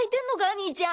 兄ちゃん。